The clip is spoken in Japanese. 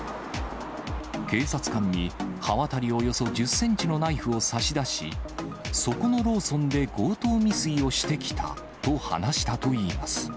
警察官に、刃渡りおよそ１０センチのナイフを差し出し、そこのローソンで強盗未遂をしてきたと話したといいます。